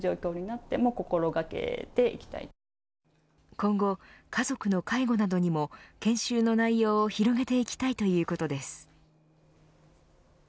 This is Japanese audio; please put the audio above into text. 今後、家族の介護などにも研修の内容を広げていきたいということです。